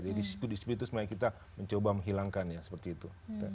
jadi di situ di situ sebenarnya kita mencoba menghilangkannya seperti itu